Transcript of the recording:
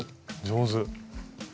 上手。